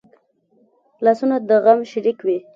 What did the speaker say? لاسونه د غم شریک وي